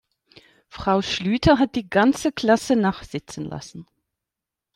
Frau Schlüter hat die ganze Klasse nachsitzen lassen.